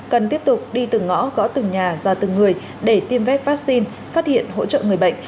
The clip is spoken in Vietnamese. cần tiếp tục đi từng ngõ gõ từng nhà ra từng người để tiêm vét vaccine phát hiện hỗ trợ người bệnh